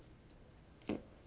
えっ。